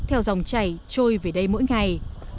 theo dòng chảy trôi về đây mỗi ngày